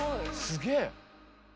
すげえ。